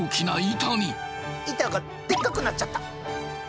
板がでっかくなっちゃった！